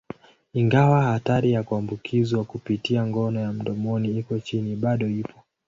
Ingawa hatari ya kuambukizwa kupitia ngono ya mdomoni iko chini, bado ipo.